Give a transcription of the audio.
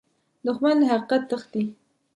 دښمن له حقیقت تښتي